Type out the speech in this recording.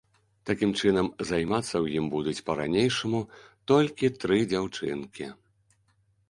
Такім чынам, займацца ў ім будуць па-ранейшаму толькі тры дзяўчынкі.